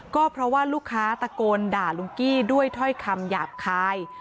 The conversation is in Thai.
ก็เพราะว่าลูกค้าตะโกนด่าลุงกี้ด้วยถ้อยคำหยาบคาย